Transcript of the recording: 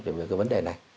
về vấn đề này